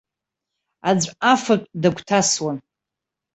Аӡә афатә дагәҭасуан.